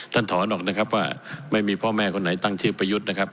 ถอนออกนะครับว่าไม่มีพ่อแม่คนไหนตั้งชื่อประยุทธ์นะครับ